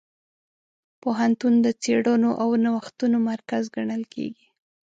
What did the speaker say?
پوهنتون د څېړنو او نوښتونو مرکز ګڼل کېږي.